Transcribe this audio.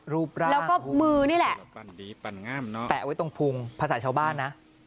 รูปร่างหุ่นแล้วก็มือนี่แหละแปะไว้ตรงภูมิภาษาชาวบ้านนะ